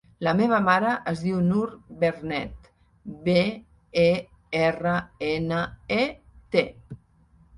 La meva mare es diu Nur Bernet: be, e, erra, ena, e, te.